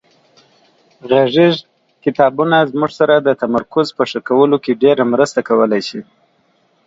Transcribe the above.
غږیز کتابونه زموږ سره د تمرکز په ښه کولو کې ډېره مرسته کولای شي.